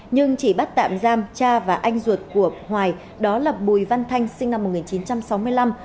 nhưng chỉ bắt tạm giam cha và anh ruột của hoài đó là bùi văn thanh sinh năm một nghìn chín trăm sáu mươi năm